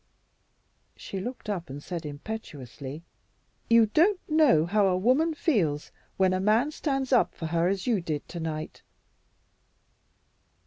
She looked up and said impetuously, "You don't know how a woman feels when a man stands up for her as you did tonight."